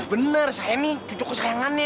bener saya ini cucu kesayangannya